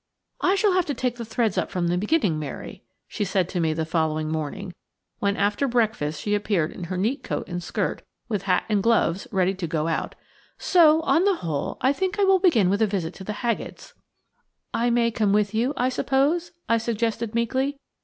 "I shall have to take the threads up from the beginning, Mary," she said to me the following morning, when after breakfast she appeared in her neat coat and skirt, with hat and gloves, ready to go out, "so, on the whole, I think I will begin with a visit to the Haggetts." "I may come with you, I suppose?" I suggested meekly.